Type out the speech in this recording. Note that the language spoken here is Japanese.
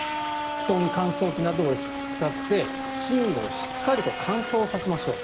布団乾燥機などを使って寝具をしっかりと乾燥させましょう。